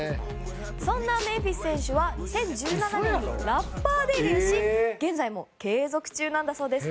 そんなメンフィス選手はラッパーとしてデビューし現在も継続中なんだそうです。